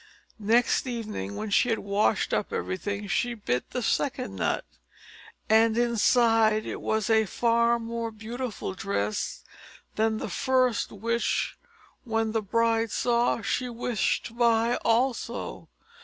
Next evening, when she had washed up everything, she bit the second nut open; and inside it was a far more beautiful dress than the first which, when the bride saw, she wished to buy also.